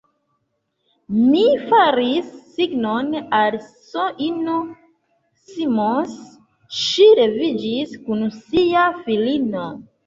Mi faris signon al S-ino Simons: ŝi leviĝis kun sia filino.